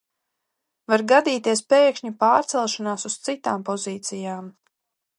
Var gadīties pēkšņa pārcelšanās uz citām pozīcijām.